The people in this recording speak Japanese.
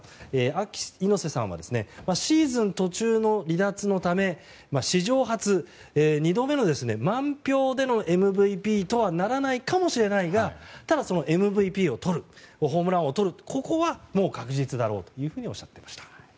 ＡＫＩ猪瀬さんはシーズン途中の離脱のため史上初、２度目の満票でのＭＶＰとはならないかもしれないがただ、ＭＶＰをとるホームラン王をとるのは確実だろうとおっしゃっていました。